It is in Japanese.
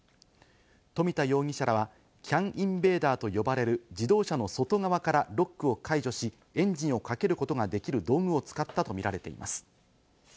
冨田容疑者らはＣＡＮインベーダーと呼ばれる自動車の外側からロックを解除し、エンジンをかけることができる道具を使ったとみられています。